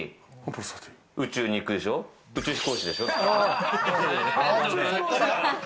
宇宙に行くでしょ、宇宙飛行士。